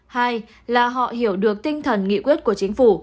hai là họ hiểu được tinh thần nghị quyết của chính phủ